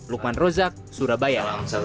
lukman rozak surabaya